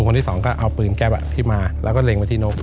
คนที่สองก็เอาปืนแก๊ปที่มาแล้วก็เล็งไปที่นก